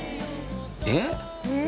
えっ？